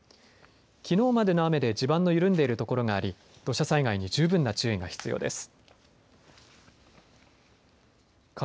きのうまでの雨で地盤の緩んでいるところがあり土砂災害に十分な注意が必要です。